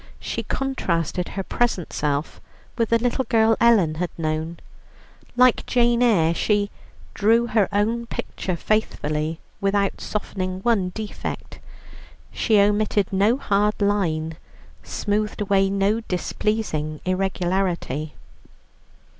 She contrasted her present self with the little girl Ellen had known. Like Jane Eyre, she "drew her own picture faithfully without softening one defect. She omitted no hard line, smoothed away no displeasing irregularity."